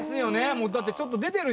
もうだって。